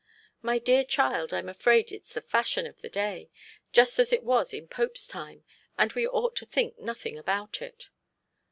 'My dear child I'm afraid it is the fashion of the day, just as it was in Pope's time, and we ought to think nothing about it.'